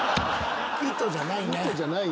糸じゃないない。